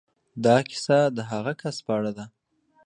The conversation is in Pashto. دا کيسه د هغه کس په اړه ده.